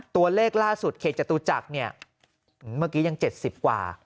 ตัวเลขล่าสุดเขตจตุจักรเนี่ยเมื่อกี้ยัง๗๐กว่า